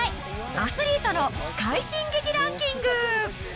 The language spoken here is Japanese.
アスリートの快進撃ランキング。